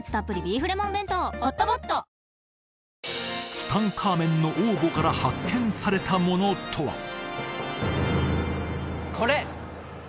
ツタンカーメンの王墓から発見されたものとはこれ！